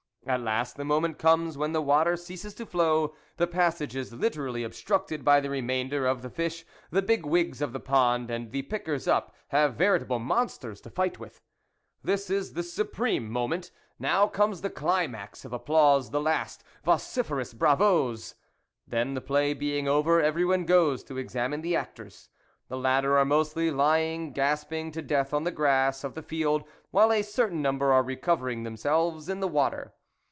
At last the moment comes when the water ceases to flow ; the passage is literally obstructed by the remainder of the fish, the big wigs of the pond, and the pickers up have veritable monsters to fight with. This is the supreme moment. Now comes the climax of ap plause, the last vociferous bravos. Then, the play being over, everyone goes to examine the actors ; the latter are mostly lying gasping to death on the grass of the field, while a certain number are recover ing themselves in the water.